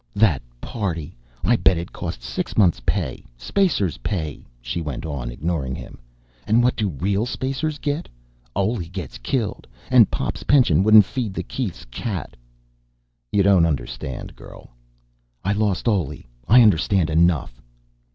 "That party I bet it cost six months' pay, spacer's pay," she went on, ignoring him. "And what do real spacers get? Oley gets killed, and Pop's pension wouldn't feed the Keiths' cat." "You don't understand, girl." "I lost Oley. I understand enough."